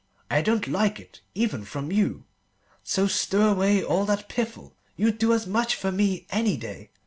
I don't like it, even from you. So stow all that piffle. You'd do as much for me, any day.